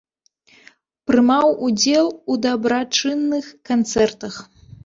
Прымаў удзел у дабрачынных канцэртах.